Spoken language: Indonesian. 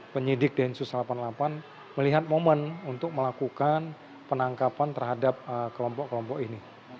penyidik densus delapan puluh delapan melihat momen untuk melakukan penangkapan terhadap kelompok kelompok ini